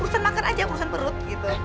urusan makan aja urusan perut gitu